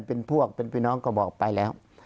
เป็นพวกเป็นพี่น้องก็บอกไปแล้ว